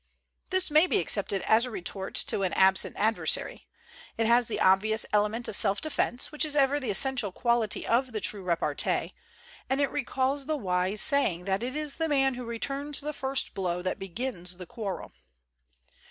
This may be accepted as a retort to an absent adversary. It has the obvious ele ment of self defense, which is ever the essential quality of the true repartee, and it recalls the wise saying that it is the man who returns the first blow that begins the quarrel.